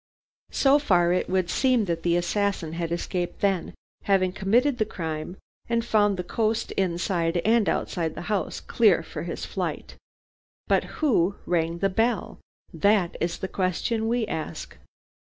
So far, it would seem that the assassin had escaped then, having committed the crime and found the coast inside and outside the house clear for his flight. But who rang the bell? That is the question we ask.